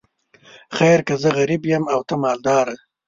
خیر که زه غریب یم او ته مالداره.